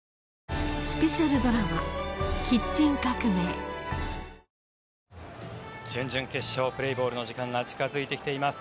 準決勝が行われる準々決勝、プレーボールの時間が近づいてきています。